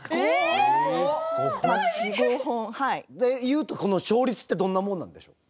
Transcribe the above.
いうとこの勝率ってどんなもんなんでしょう？